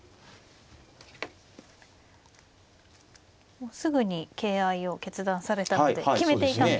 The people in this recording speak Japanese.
もうすぐに桂合いを決断されたので決めていたんですね。